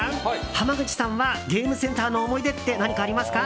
濱口さんはゲームセンターの思い出って何かありますか？